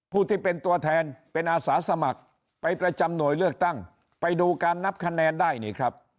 ที่เป็นตัวแทนเป็นอาสาสมัครไปประจำหน่วยเลือกตั้งไปดูการนับคะแนนได้นี่ครับ